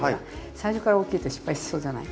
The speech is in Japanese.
最初から大きいと失敗しそうじゃない？